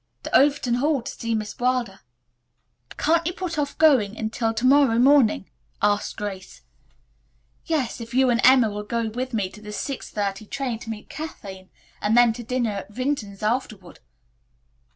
"To Overton Hall to see Miss Wilder." "Can't you put off going until to morrow morning?" asked Grace. "Yes, if you and Emma will go with me to the six thirty train to meet Kathleen and then to dinner at Vinton's afterward."